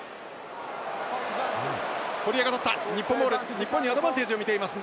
日本にアドバンテージをみています。